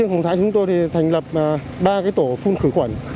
riêng hồng thái chúng tôi thành lập ba tổ phun khử khuẩn